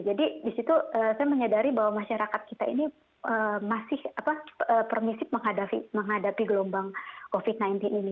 jadi disitu saya menyadari bahwa masyarakat kita ini masih permisif menghadapi gelombang covid sembilan belas ini